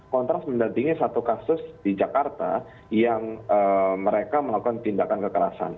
kontras mendatangi satu kasus di jakarta yang mereka melakukan tindakan kekerasan